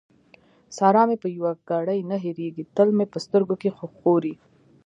سارا مې په يوه ګړۍ نه هېرېږي؛ تل مې په سترګو کې ښوري.